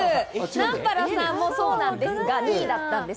南原さんもそうなんですが、２位だったんです。